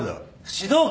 指導官！